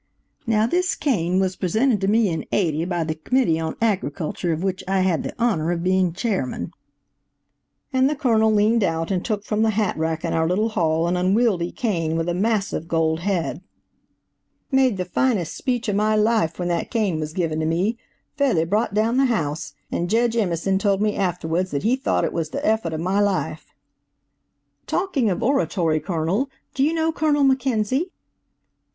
"Now this cane was presented to me in '80 by the Committee on Agriculture, of which I had the honor of being Chairman." And the Colonel leaned out and took from the hat rack in our little hall an unwieldly cane with a massive gold head. "Made the finest speech in my life when that cane was given to me–fairly bro't down the house, and Jedge Emerson told me afterwards that he tho't it was the effort of my life." "Talking of oratory, Colonel, do you know Colonel McKenzie?"